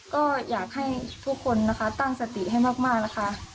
ก็อยากให้ทุกคนนะคะตั้งสติให้มากนะคะ